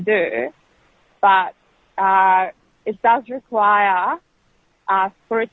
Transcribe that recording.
dalam lantai jaringan distribusi elektrik